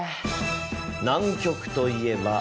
南極といえば。